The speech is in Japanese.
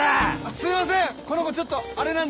すいません！